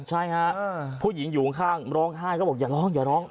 ใช่ฮะผู้หญิงอยู่ข้างร้องไห้ก็บอกอย่าร้องอย่าร้อง